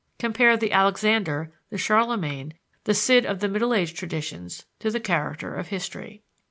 Compare the Alexander, the Charlemagne, the Cid of the Middle Age traditions to the character of history.